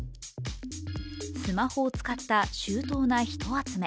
スマホを使った周到な人集め。